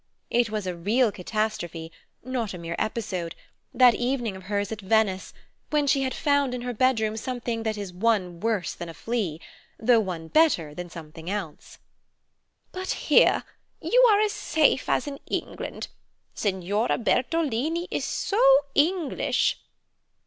It was a real catastrophe, not a mere episode, that evening of hers at Venice, when she had found in her bedroom something that is one worse than a flea, though one better than something else. "But here you are as safe as in England. Signora Bertolini is so English."